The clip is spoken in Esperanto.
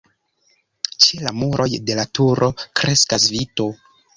Ĉe la muroj de la turo kreskas vito.